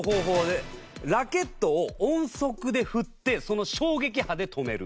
ラケットを音速で振ってその衝撃波で止める。